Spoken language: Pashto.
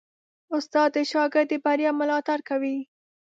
استاد د شاګرد د بریا ملاتړ کوي.